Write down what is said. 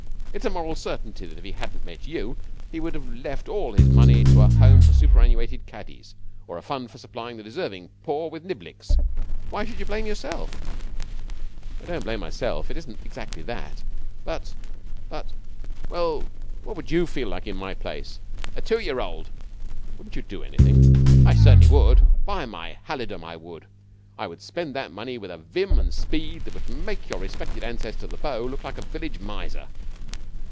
It's a moral certainty that if he hadn't met you he would have left all his money to a Home for Superannuated Caddies or a Fund for Supplying the Deserving Poor with Niblicks. Why should you blame yourself?' 'I don't blame myself. It isn't exactly that. But but, well, what would you feel like in my place?' 'A two year old.' 'Wouldn't you do anything?' 'I certainly would. By my halidom, I would! I would spend that money with a vim and speed that would make your respected ancestor, the Beau, look like a village miser.'